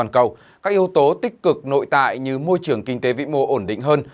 các yếu tố tích cực nội tại như môi trường kinh tế vĩ mô ổn định hơn